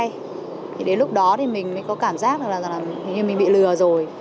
thì đến lúc đó thì mình mới có cảm giác được là hình như mình bị lừa rồi